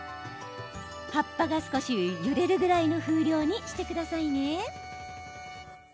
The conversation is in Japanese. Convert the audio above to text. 葉っぱが少し揺れるぐらいの風量にしてください。